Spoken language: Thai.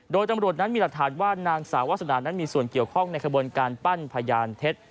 โดยตำรวจนั้นมีหลักฐานว่านางสาววาสนานั้นมีส่วนเกี่ยวข้องในขบวนการปั้นพยานเท็จ